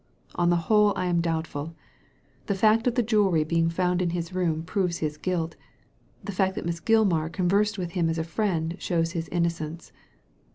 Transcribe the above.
On the whole I am doubtful. The fact of the jewellery being found in his room proves his guilt ; the fact that Miss Gilmar conversed with him as a friend shows his innocence.